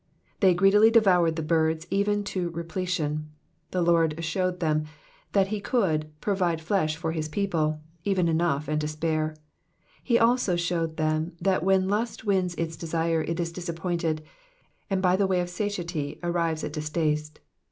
'''' They greedily devoured the birds, even to repletion. The Lord shewed them that he could *' provide flesh for his people,'^ even enough and to spare. He also shewed them that whtn lust wins its desire it is disappointed, and by the way of satiety arrives at distaste.